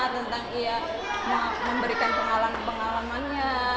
tentang ia memberikan pengalaman pengalaman nya